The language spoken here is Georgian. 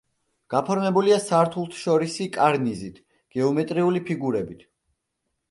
გაფორმებულია სართულშორისი კარნიზით, გეომეტრიული ფიგურებით.